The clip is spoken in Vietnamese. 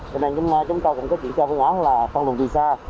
cho nên chúng ta cũng có chuyển cho phương án là phân luận từ xa